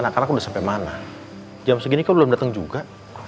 anak anak udah sampai mana jam segini kok belum datang juga